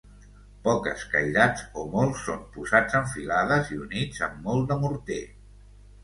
Poc escairats o molts són posats en filades i units amb molt de morter.